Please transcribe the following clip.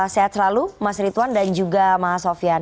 sehat selalu mas ritwan dan juga mas sofyan